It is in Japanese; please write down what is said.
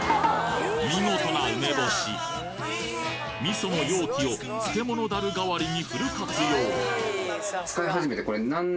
見事な味噌の容器を漬物樽がわりにフル活用！